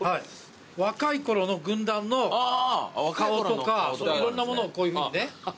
若いころの軍団の顔とかいろんなものをこういうふうにね。